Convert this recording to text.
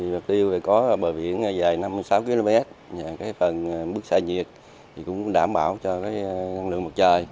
bạc liêu có bờ biển dài năm mươi sáu km phần bức xa nhiệt cũng đảm bảo cho năng lượng mặt trời